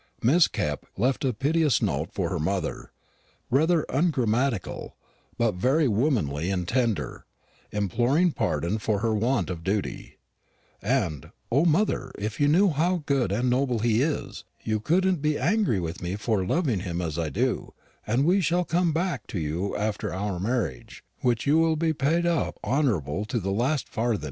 Miss Kepp left a piteous little note for her mother, rather ungrammatical, but very womanly and tender, imploring pardon for her want of duty; and, "O, mother, if you knew how good and nobel he is, you coudent be angery with me for luving him has I do, and we shall come back to you after oure marige, wich you will be pade up honourabel to the last farthin'."